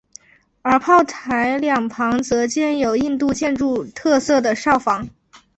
而炮台两旁则建有印度建筑特色的哨房。